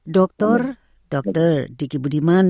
doktor dokter diki budiman